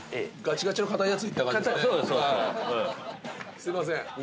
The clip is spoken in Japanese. すみません。